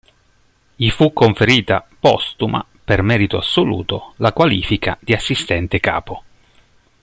Gli fu conferita, postuma, per merito assoluto, la qualifica di assistente capo.